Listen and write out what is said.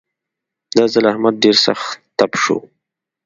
دا ځل احمد ډېر سخت تپ شو.